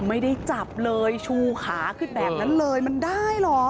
ไม่ได้จับเลยชูขาขึ้นแบบนั้นเลยมันได้เหรอ